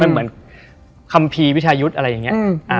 มันเหมือนคัมภีร์วิชายุทธ์อะไรอย่างนี้